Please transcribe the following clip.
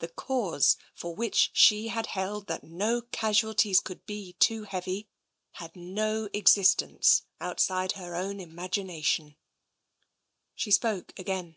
The cause for which she had held that no cas ualties could be too heavy had no existence outside her own imagination. She spoke again.